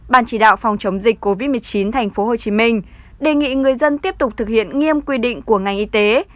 bàn chỉ đạo phòng chống dịch covid một mươi chín tp hcm đề nghị người dân tiếp tục thực hiện nghiêm quy định của ngành y tế